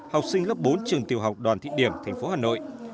học sinh lớp bốn trường tiểu học đoàn thị điểm thành phố hà nội